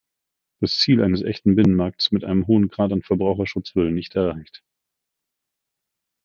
Das Ziel eines echten Binnenmarkts mit einem hohen Grad an Verbraucherschutz würde nicht erreicht.